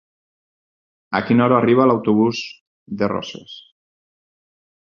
A quina hora arriba l'autobús de Roses?